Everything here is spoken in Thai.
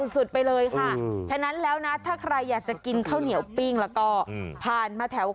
สุดไปเลยค่ะฉะนั้นแล้วนะถ้าใครอยากจะกินข้าวเหนียวปิ้งแล้วก็ผ่านมาแถว